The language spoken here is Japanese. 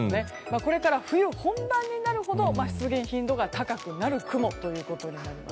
これから冬本番になるほど出現頻度が高くなる雲ということになります。